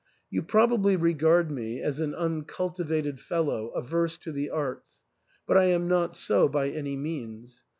You probably regard me as an uncultivated fellow, averse to the arts ; but I am not so by any means.